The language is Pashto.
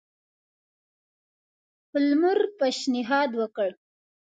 پالمر پېشنهاد وکړ.